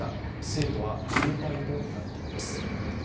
生徒は重体とみられています。